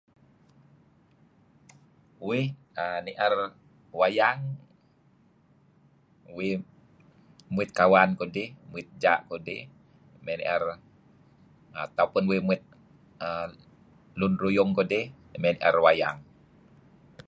Uih uhm nier wayang uih muit kawan kudih, muit ja' kudih, may nier atau pun uih muit uhm lun ruyung kudih may ni'er wayang.